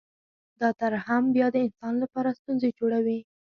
دا ترحم بیا د انسان لپاره ستونزې جوړوي